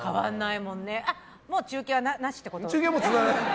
もう中継はなしってこと？